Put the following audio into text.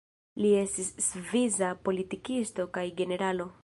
Li estis svisa politikisto kaj generalo.